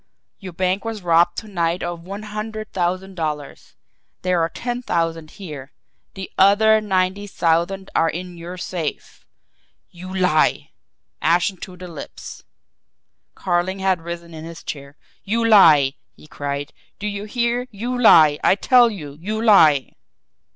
Your bank was robbed to night of one hundred thousand dollars. There are ten thousand here. THE OTHER NINETY THOUSAND ARE IN YOUR SAFE!" "You lie!" Ashen to the lips, Carling had risen in his chair. "You lie!" he cried. "Do you hear! You lie! I tell you, you lie!"